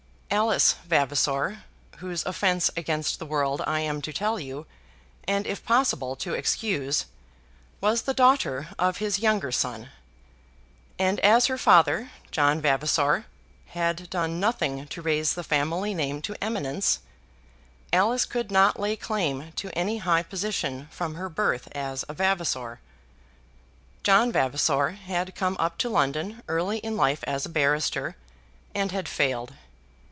Alice Vavasor, whose offence against the world I am to tell you, and if possible to excuse, was the daughter of his younger son; and as her father, John Vavasor, had done nothing to raise the family name to eminence, Alice could not lay claim to any high position from her birth as a Vavasor. John Vavasor had come up to London early in life as a barrister, and had failed.